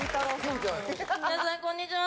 皆さん、こんにちは。